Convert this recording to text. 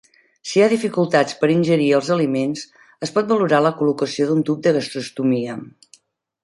Si hi ha dificultats per ingerir els aliments, es pot valorar la col·locació d'un tub de gastrostomia.